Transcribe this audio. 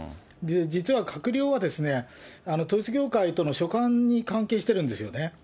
実は閣僚は統一教会との所管に関係してるんですよね。